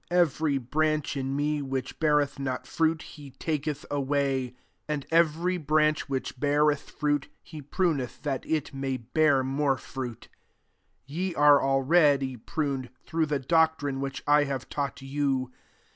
2 Every branch in me which beareth not fruit, he taketh away : and every branch which beareth fruit, he pruneth, that it may bear more fruit. 3 Ye are already pruned, through the doctrine which I have taught you.